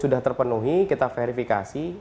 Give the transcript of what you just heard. sudah terpenuhi kita verifikasi